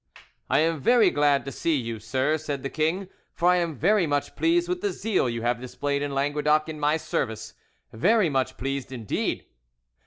"I am very glad to see you, sir," said the king, "for I am very much pleased with the zeal you have displayed in Languedoc in my service—very much pleased indeed."